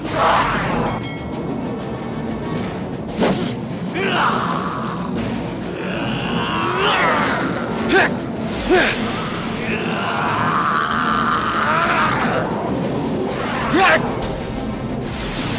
san san tenang tak ada gue